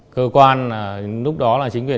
cơ quan lúc đó là chính viên